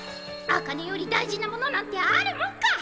アカネより大事なものなんてあるもんか！